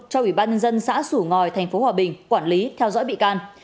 cho ủy ban nhân dân xã sủ ngòi thành phố hòa bình quản lý theo dõi bị can